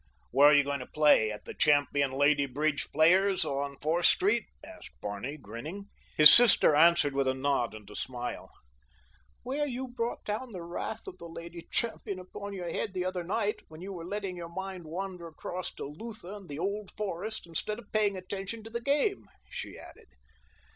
"Where are you going to play—at the champion lady bridge player's on Fourth Street?" asked Barney, grinning. His sister answered with a nod and a smile. "Where you brought down the wrath of the lady champion upon your head the other night when you were letting your mind wander across to Lutha and the Old Forest, instead of paying attention to the game," she added.